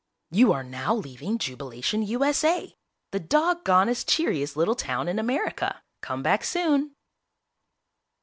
YOU ARE NOW LEAVING JUBILATION, U.S.A.!! The doggondest, cheeriest little town in America! Come back soon!!